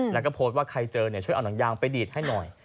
แล้วก็โพสต์ว่าใครเจอช่วยเอาหนังยางไปดีดให้หน่อย